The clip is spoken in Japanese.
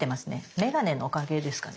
眼鏡のおかげですかね。